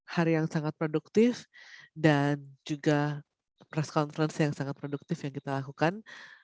hari yang sangat produktif dan juga press conference yang sangat produktif yang kita lakukan